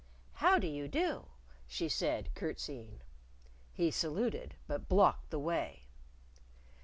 "How do you do," she said, curtseying. He saluted. But blocked the way.